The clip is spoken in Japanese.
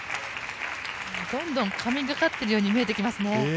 どんどん神がかっているようにも見えてきますね。